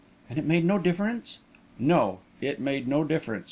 "And it made no difference?" "No; it made no difference.